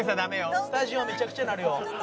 「スタジオめちゃくちゃになるよ」